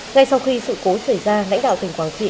ngay sau khi sự cố xảy ra lãnh đạo tỉnh quảng trị